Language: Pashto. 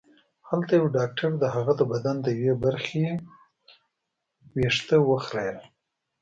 هلته یو ډاکټر د هغه د بدن د یوې برخې وېښته وخریل